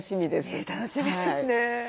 ねえ楽しみですね。